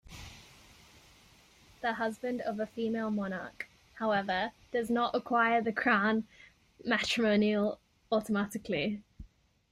The husband of a female monarch, however, does not acquire the crown matrimonial automatically.